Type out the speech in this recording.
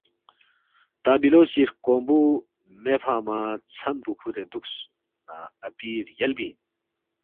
تا بِلو سی ہرکونگبُو مہ فنگما ژھن پو کُھورے دُوکس نہ اپی رگیالبی اِن